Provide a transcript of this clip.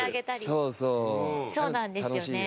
そうなんですよね。